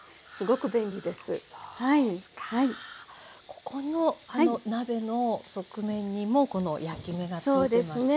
ここの鍋の側面にもこの焼き目がついてますね。